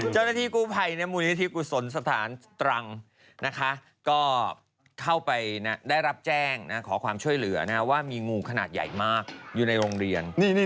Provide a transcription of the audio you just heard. เจ้าหน้าที่กู้ภัยมูลนิธิกุศลสถานตรังนะคะก็เข้าไปได้รับแจ้งขอความช่วยเหลือว่ามีงูขนาดใหญ่มากอยู่ในโรงเรียน